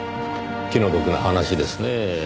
気の毒な話ですねぇ。